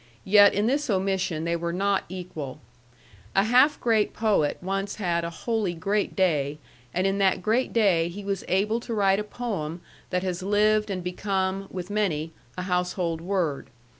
Yet in this omission they were not equal. A half great poet once had a wholly great day, and in that great day he was able to write a poem that has lived and become, with many, a household word.